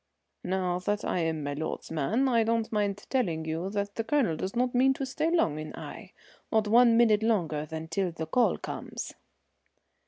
"Now that I'm my lord's man I don't mind telling you that the Colonel does not mean to stay long in Aix, not one minute longer than till the call comes."